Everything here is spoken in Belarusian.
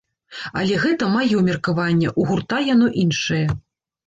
Але гэта маё меркаванне, у гурта яно іншае.